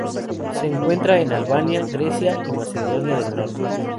Se encuentra en Albania, Grecia y Macedonia del Norte.